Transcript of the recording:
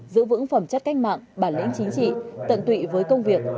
giữ vững phẩm chất cách mạng bản lĩnh chính trị tận tụy với công việc